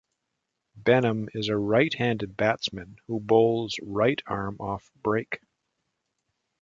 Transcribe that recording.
Benham is a right-handed batsman who bowls right-arm off break.